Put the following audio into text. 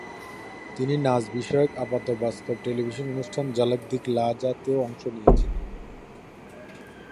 তিনি নাচ বিষয়ক আপাতবাস্তব টেলিভিশন অনুষ্ঠান "ঝলক দিখলা জা" তেও অংশ নিয়েছেন।